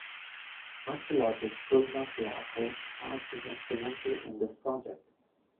Archaeologist Vilma Fialko has been instrumental in this project.